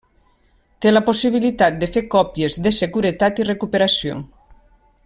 Té la possibilitat de fer còpies de seguretat i recuperació.